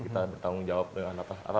kita bertanggung jawab dengan apa